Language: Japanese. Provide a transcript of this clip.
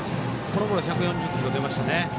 このボールは１４０キロ出ました。